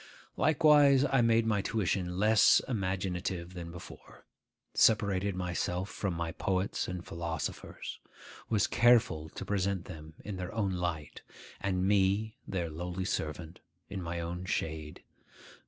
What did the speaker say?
Likewise I made my tuition less imaginative than before; separated myself from my poets and philosophers; was careful to present them in their own light, and me, their lowly servant, in my own shade.